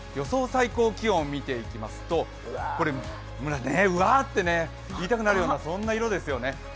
最高気温、見ていきますとうわって言いたくなるようなそんな色ですよね。